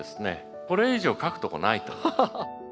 これ以上描くとこないと。